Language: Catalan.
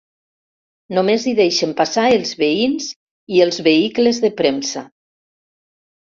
Només hi deixen passar els veïns i els vehicles de premsa.